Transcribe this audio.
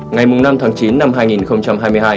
ngày năm tháng chín năm hai nghìn hai mươi hai